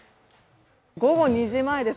午後２時前です。